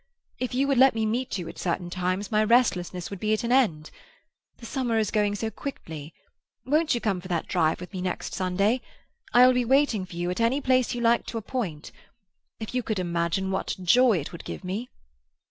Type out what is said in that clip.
If you would let me meet you at certain times my restlessness would be at an end. The summer is going so quickly. Won't you come for that drive with me next Sunday? I will be waiting for you at any place you like to appoint. If you could imagine what joy it would give me!"